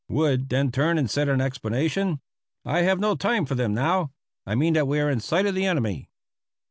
Wood then turned and said in explanation: "I have no time for them now; I mean that we are in sight of the enemy."